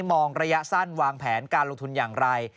มองระยะสั้นวางแผนการลงทุนอย่างไร